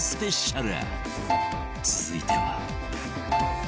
続いては